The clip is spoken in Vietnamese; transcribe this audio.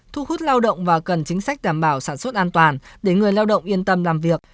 thu hút lao động và cần chính sách đảm bảo sản xuất an toàn để người lao động yên tâm làm việc